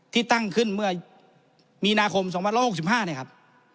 ที่ตั้งขึ้นเมื่อมีนาคม๒๑๖๕เนี่ยครับ